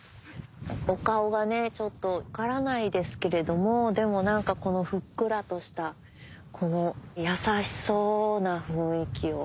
お顔がねちょっと分からないですけれどもでも何かこのふっくらとしたこの優しそうな雰囲気を。